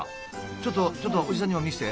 ちょっとちょっとおじさんにも見せて。